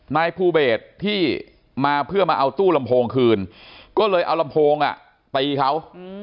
นายภูเบสที่มาเพื่อมาเอาตู้ลำโพงคืนก็เลยเอาลำโพงตีเขา